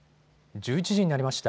１１時になりました。